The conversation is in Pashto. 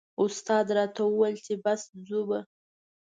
استاد راته و ویل چې بس ځو به.